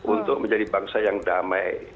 untuk menjadi bangsa yang damai